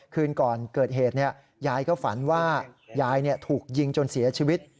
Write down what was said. คืนก่อนเกิดเหตุยายก็ฝันว่ายายถูกยิงจนเสียชีวิต